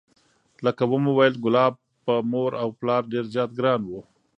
لکه ومو ویل کلاب په مور و پلار ډېر زیات ګران و،